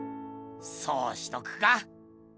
そうしとくか。